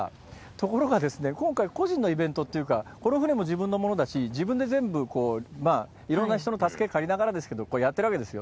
ところがですね、今回、個人のイベントっていうか、この船も自分のものだし、自分で全部いろんな人の助け借りながらですけど、やってるわけですよ。